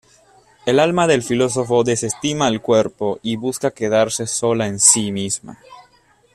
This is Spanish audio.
El alma del filósofo desestima al cuerpo y busca quedarse sola en sí misma.